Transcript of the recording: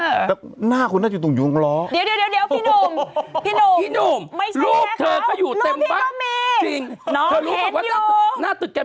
แต่หน้าคุณน่าจะอยู่ตรงยุงเหรอ